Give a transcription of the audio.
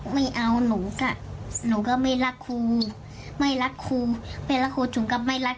ไม่เอาหนูกะหนูก็ไม่รักครูไม่รักครูไม่รักครูถึงกับไม่รัก